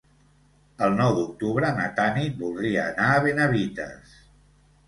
El nou d'octubre na Tanit voldria anar a Benavites.